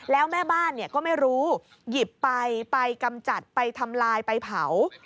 แล้วแม่บ้านก็ไม่รู้หยิบไปไปกำจัดไปทำลายไปเผา